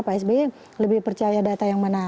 pak sby lebih percaya data yang mana